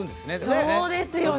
そうですよね。